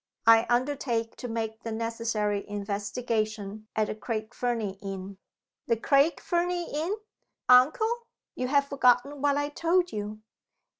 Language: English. I undertake to make the necessary investigation at the Craig Fernie inn." "The Craig Fernie inn? Uncle! you have forgotten what I told you."